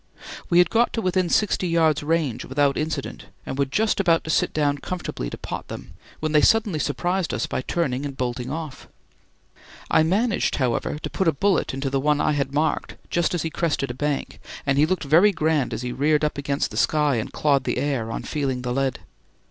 We had got to within sixty yards' range without incident and were just about to sit down comfortably to "pot" them, when they suddenly surprised us by turning and bolting off. I managed, however, to put a bullet into the one I had marked just as he crested a bank, and he looked very grand as he reared up against the sky and clawed the air on feeling the lead.